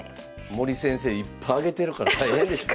森先生いっぱいあげてるから大変でしょうね。